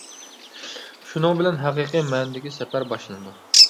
شۇنىڭ بىلەن ھەقىقىي مەنىدىكى سەپەر باشلىنىدۇ.